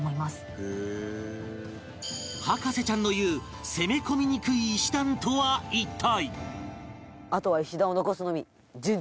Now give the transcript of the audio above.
「へえー」博士ちゃんの言う攻め込みにくい石段とは一体？